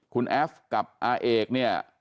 คุณแอฟกับอาเอกเนี่ย